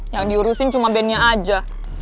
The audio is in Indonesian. yang diurusin cuma band nya aja